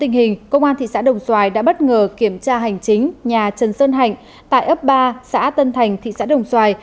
tình hình công an thị xã đồng xoài đã bất ngờ kiểm tra hành chính nhà trần sơn hạnh tại ấp ba xã tân thành thị xã đồng xoài